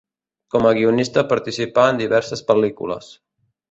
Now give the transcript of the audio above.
Com a guionista participà en diverses pel·lícules.